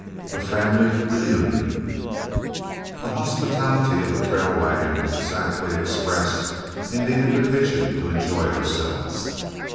A FAMILY REUNION The hospitality of a trail wagon was aptly expressed in the invitation to enjoy ourselves.